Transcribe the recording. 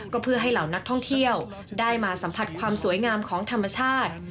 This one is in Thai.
ก็เพื่อให้เหล่านักท่องเที่ยวได้มาสัมผัสความสวยงามของธรรมชาติ